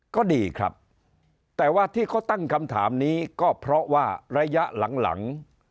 ก็ดีครับแต่ว่าที่เขาตั้งคำถามนี้ก็เพราะว่าระยะหลังหลัง